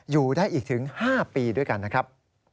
อยู่ได้อีกถึง๕ปีด้วยกันนะครับ